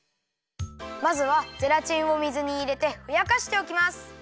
まずはゼラチンを水にいれてふやかしておきます。